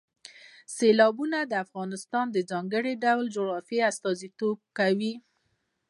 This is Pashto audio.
سیلابونه د افغانستان د ځانګړي ډول جغرافیه استازیتوب کوي.